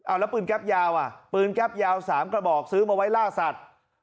แล้วปืนแก๊ปยาวอ่ะปืนแก๊ปยาว๓กระบอกซื้อมาไว้ล่าสัตว์